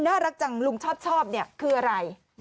น่ารักจังลุงชอบคืออะไร